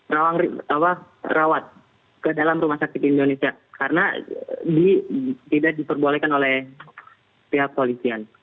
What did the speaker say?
rawang rawang apa rawat ke dalam rumah sakit indonesia karena di tidak disurbolekan oleh pihak polisian